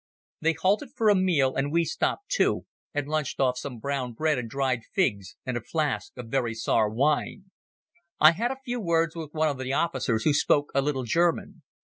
They halted for a meal, and we stopped, too, and lunched off some brown bread and dried figs and a flask of very sour wine. I had a few words with one of the officers who spoke a little German.